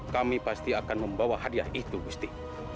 kami pasti akan membawa hadiah itu gusti